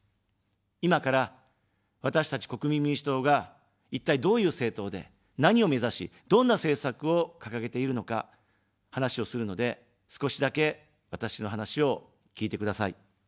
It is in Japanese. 今から、私たち国民民主党が、一体、どういう政党で、何を目指し、どんな政策を掲げているのか話をするので、少しだけ、私の話を聞いてください。